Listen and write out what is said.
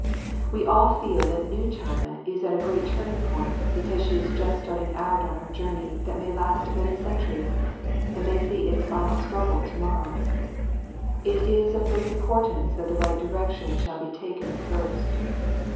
We all feel that new China is at a great turning point because she is just starting out on her journey that may last many centuries, and may see its final struggle to morrow. It is of great importance that the right direction shall be taken at first.